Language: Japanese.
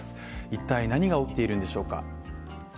一体何が起きているんでしょうか？